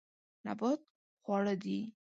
نبات خواړه دي.